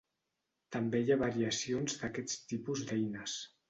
També hi ha variacions d'aquests tipus d'eines.